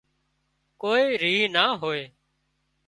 ڪوئي ريه نا هوئي